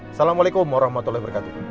assalamualaikum wr wb